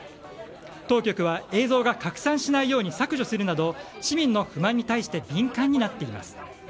当局は映像が拡散しないように削除するなど市民の不満に対して敏感になっています。